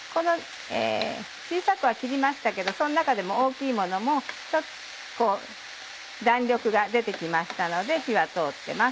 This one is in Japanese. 小さくは切りましたけどその中でも大きいものも弾力が出て来ましたので火は通ってます。